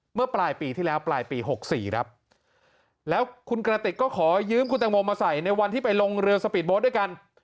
เมื่อปลายปีที่แล้วปลายปี๖๔ครับแล้วคุณกระติกก็ขอยืมคุณตังโมมาใส่ในวันที่ไปลงเรือสปีดโบ๊ทด้วยกัน